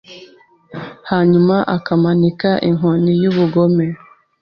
Hanyuma akamanika inkoni yubugome